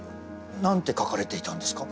何て書かれていたんですか？